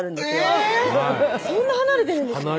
えぇっそんな離れてるんですか？